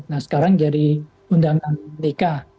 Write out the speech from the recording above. nah sekarang jadi undangan kpk